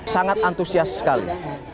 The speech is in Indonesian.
sangat antusias sekali